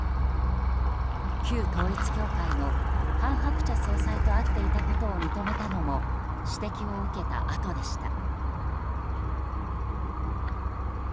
旧統一教会の韓鶴子総裁と会っていたことを認めたのも指摘を受けたあとでした。